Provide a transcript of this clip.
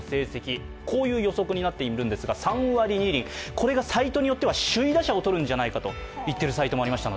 これがサイトによっては首位打者を取るんじゃないかという分析もありました。